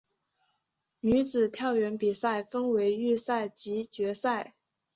女子跳远比赛分为预赛及决赛。